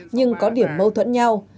nhưng có điểm mâu thuẫn nhau